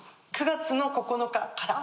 ９月の９日から。